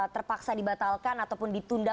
terpaksa dibatalkan ataupun ditunda